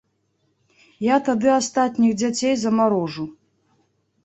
Я тады астатніх дзяцей замарожу.